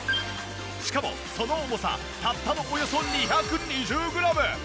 しかもその重さたったのおよそ２２０グラム。